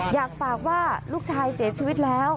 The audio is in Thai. อยากฝากว่าลูกชายเสียชีวิตแล้ว